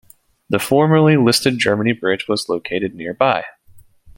The formerly listed Germany Bridge was located nearby.